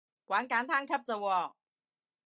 玩簡單級咋喎